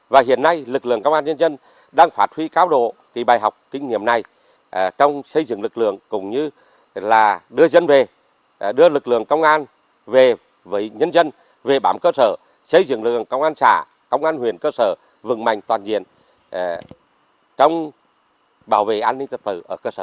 và hiện nay lực lượng công an nhân dân đang phát huy cao độ kỳ bài học kinh nghiệm này trong xây dựng lực lượng cũng như là đưa dân về đưa lực lượng công an về với nhân dân về bám cơ sở xây dựng lực lượng công an xã công an huyền cơ sở vững mạnh toàn diện trong bảo vệ an ninh trật tự ở cơ sở